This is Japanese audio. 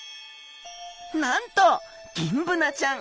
なんとギンブナちゃん！